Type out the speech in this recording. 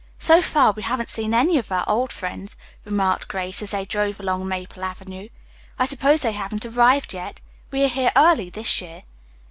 "So far we haven't seen any of our old friends," remarked Grace as they drove along Maple Avenue. "I suppose they haven't arrived yet. We are here early this year."